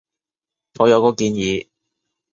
我有個建議